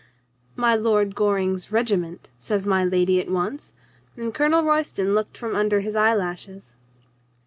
"My Lord Goring's regiment," says my lady at once, and Colonel Royston looked from under his eyelashes.